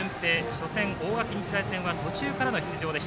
初戦、大垣日大戦は途中からの出場。